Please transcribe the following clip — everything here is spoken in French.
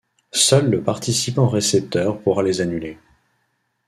Seul le participant récepteur pourra les annuler.